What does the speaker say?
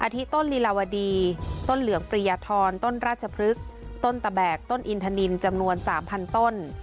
ที่ต้นลีลาวดีต้นเหลืองปริยธรต้นราชพฤกษ์ต้นตะแบกต้นอินทนินจำนวน๓๐๐ต้น